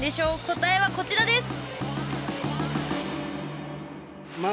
答えはこちらです。